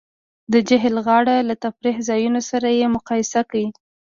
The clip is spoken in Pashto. د جهیل غاړې له تفریح ځایونو سره یې مقایسه کړئ